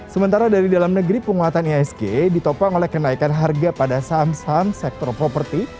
sementara dari dalam negeri penguatan ihsg ditopang oleh kenaikan harga pada saham saham sektor properti